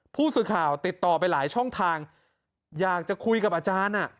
ผู้สื่อข่าวติดต่อไปหลายช่องทางอยากจะคุยกับอาจารย์อ่ะ